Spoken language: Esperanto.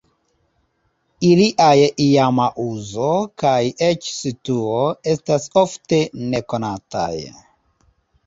Iliaj iama uzo kaj eĉ situo estas ofte nekonataj.